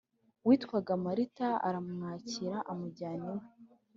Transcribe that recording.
witwaga Marita aramwakira amujyana iwe